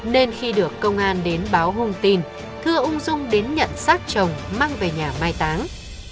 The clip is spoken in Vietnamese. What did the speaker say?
nên khi được công an đến báo hung tin thưa ung dung đến nhận xác chồng mang về nhà mai táng